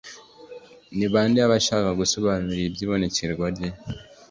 Ni bande yaba ashaka gusobanurira iby’ibonekerwa rye ?